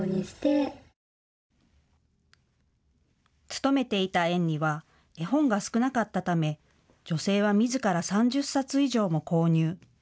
勤めていた園には絵本が少なかったため女性はみずから３０冊以上も購入。